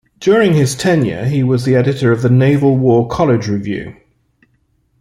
During his tenure he was the editor of the "Naval War College Review".